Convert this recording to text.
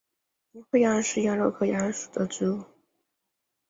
银灰杨是杨柳科杨属的植物。